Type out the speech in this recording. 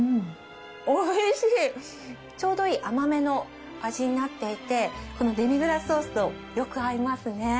ちょうどいい甘めの味になっていてこのデミグラスソースとよく合いますね。